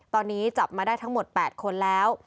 ตอนนี้จับมาได้ทั้งหมด๘คนแล้ว